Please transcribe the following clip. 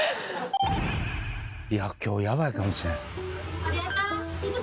今日ヤバいかもしれん。